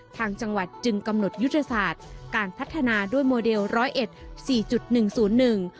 ทางจังหวัดจึงกำหนดยุทธศาสตร์การพัฒนาด้วยโมเดลร้อยเอ็ดสี่จุดหนึ่งศูนย์หนึ่ง